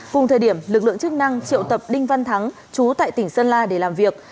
cùng thời điểm lực lượng chức năng triệu tập đinh văn thắng chú tại tỉnh sơn la để làm việc